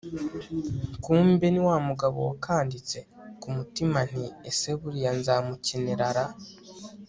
kumbe ni wamugabo wakanditse, kumutima nti ese buriya nzamukenera ra